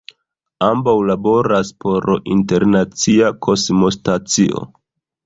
Ambaŭ laboras por la Internacia Kosmostacio.